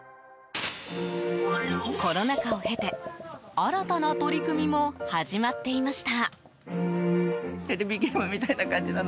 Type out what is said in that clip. コロナ禍を経て新たな取り組みも始まっていました。